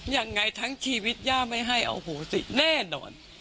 ยังไงทั้งชีวิตย่าไม่ให้อโหสิแน่นอน